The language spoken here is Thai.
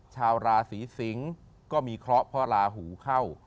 ชาวราศีสิงศ์ก็มีเคราะห์เพราะลาหูเข้า